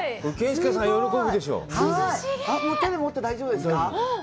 喜ぶでしょ手で持って大丈夫ですか？